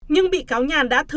nhưng bị cáo nhàn đã thư